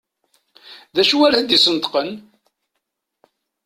D acu ara t-id-yesneṭqen?